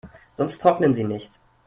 Sonst trocknen sie nicht.